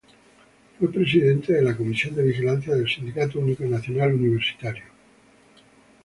Fue presidente de la Comisión de Vigilancia del "Sindicato Único Nacional Universitario".